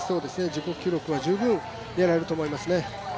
自己記録は十分狙えると思いますね。